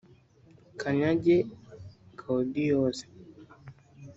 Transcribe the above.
Kanyange Gaudiose